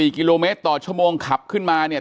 กิโลเมตรต่อชั่วโมงขับขึ้นมาเนี่ย